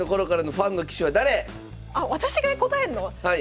あ私が答えんの⁉はい。